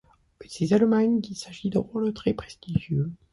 On sait seulement qu’il s’agissait de rôles très prestigieux.